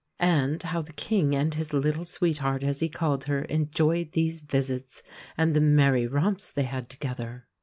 And how the King and his "little sweetheart," as he called her, enjoyed these visits! and the merry romps they had together!